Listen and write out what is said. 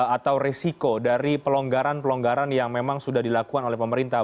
atau resiko dari pelonggaran pelonggaran yang memang sudah dilakukan oleh pemerintah